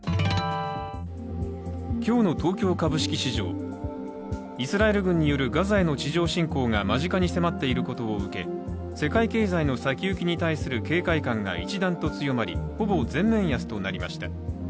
今日の東京株式市場、イスラエル軍によるガザへの地上侵攻が間近に迫っていることを受け、世界経済の先行きに対する警戒感が一段と強まりほぼ全面安となりました。